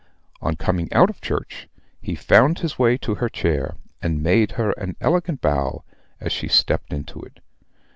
On coming out of church, he found his way to her chair, and made her an elegant bow as she stepped into it.